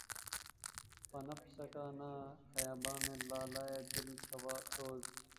پنپ سکا نہ خیاباں میں لالۂ دل سوز